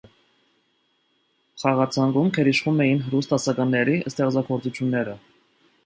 Խաղացանկում գերիշխում էին ռուս դասականների ստեղծագործությունները։